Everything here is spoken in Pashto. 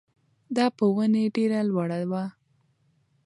دا په ونې ډېره لوړه وه.